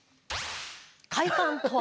快感とは。